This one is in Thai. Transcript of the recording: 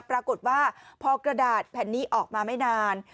ปรากฏว่าพอกระดาษแผ่นนี้ออกมาไม่นาน